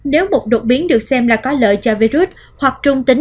nếu một đột biến được xem là có lợi cho virus hoặc trung tính